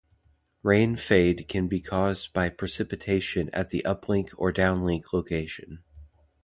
Rain fade can be caused by precipitation at the uplink or downlink location.